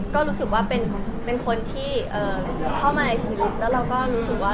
ก็รู้สึกว่าเป็นคนคนผ่านมาในชีวิต